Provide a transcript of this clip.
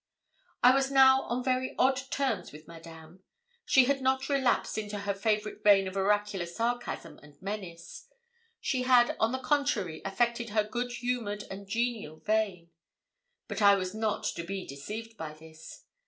I was now on very odd terms with Madame. She had not relapsed into her favourite vein of oracular sarcasm and menace; she had, on the contrary, affected her good humoured and genial vein. But I was not to be deceived by this.